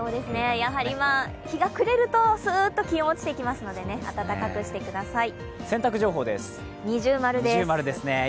やはり日が暮れるとすーっと気温が落ちていきますので、暖かくしてください。